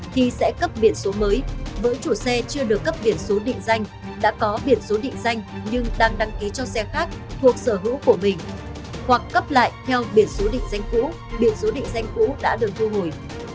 thì sẽ cấp biển số mới với chủ xe chưa được cấp biển số định danh đã có biển số định danh nhưng đăng ký cho xe khác thuộc sở hữu của mình hoặc cấp lại theo biển số định danh cũ biển số định danh cũ đã được thu hồi